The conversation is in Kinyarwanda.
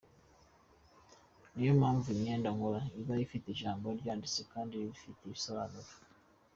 Niyo mpamvu imyenda nkora iba ifite ijambo ryanditse kandi rifite igisobanuro.